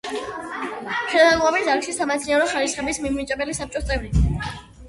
მშენებლობის დარგში სამეცნიერო ხარისხების მიმნიჭებელი საბჭოს წევრი.